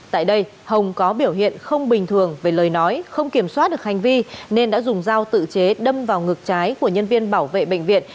tại đây hồng có biểu hiện không bình thường về lời nói không kiểm soát được hành vi nên đã dùng dao tự chế đâm vào ngực trái của nhân viên bảo vệ bệnh viện